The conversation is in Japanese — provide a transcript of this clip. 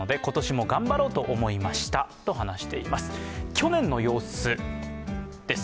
去年の様子です。